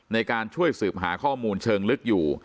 ในการช่วยสืบหาข้อมูลเชิงลึกอยู่